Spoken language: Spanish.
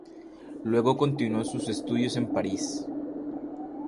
Luego continuó sus estudios en París.